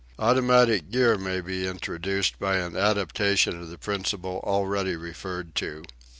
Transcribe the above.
Automatic gear may be introduced by an adaptation of the principle already referred to.